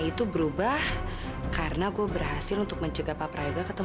itu kan udah kewajiban alia untuk selalu bantu keluarga om